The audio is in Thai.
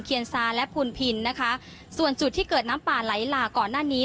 ซาและพูนพินนะคะส่วนจุดที่เกิดน้ำป่าไหลหลากก่อนหน้านี้